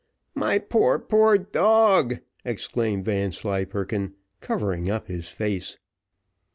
"My poor, poor dog!" exclaimed Vanslyperken, covering up his face.